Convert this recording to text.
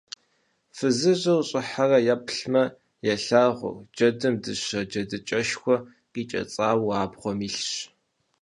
Фызыжьыр щӀыхьэрэ еплъмэ, елъагъу: джэдым дыщэ джэдыкӀэшхуэ къикӀэцӀауэ абгъуэм илъщ.